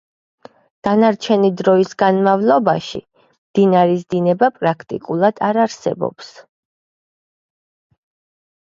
დანარჩენი დროის განმავლობაში მდინარის დინება პრაქტიკულად არ არსებობს.